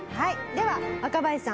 では若林さん